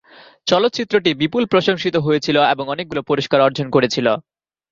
চলচ্চিত্রটি বিপুল প্রশংসিত হয়েছিল এবং অনেকগুলো পুরস্কার অর্জন করেছিল।